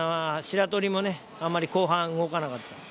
白鳥もあまり後半、動かなかった。